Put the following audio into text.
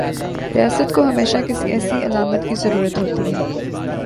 ریاست کو ہمیشہ کسی ایسی علامت کی ضرورت ہوتی ہے۔